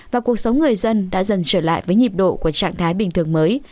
và cuộc sống người dân đã dần trở lại với nhịp độ của trạng thái bình thường mới